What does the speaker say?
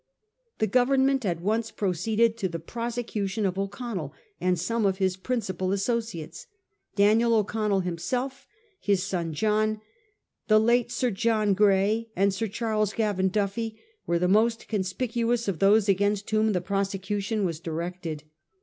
The Government at once proceeded to the prose cution of O'Connell and some of his principal asso ciates. Daniel O'Connell himself, his son John, the late Sir John Cray, and Sir Charles Gavan Duffy, were the most conspicuous of those against whom the prosecution was directed.